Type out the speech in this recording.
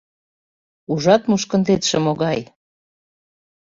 Ужат, мушкындетше могай?..